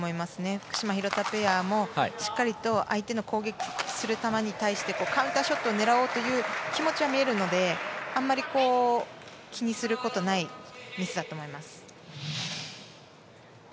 福島、廣田ペアも、しっかりと相手の攻撃する球に対してカウンターショットを狙おうという気持ちは見えるのであまり気にすることないミスだと思います。